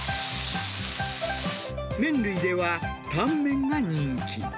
麺類ではタンメンが人気。